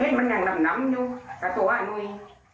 เห็นมันอย่างหนำอยู่สัตว์ว่าหน่วย